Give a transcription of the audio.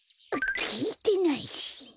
きいてないし。